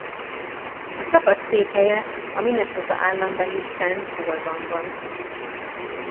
A csapat székhelye a Minnesota állambeli Saint Paulban van.